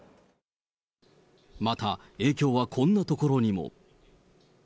また影響はこんなところにも。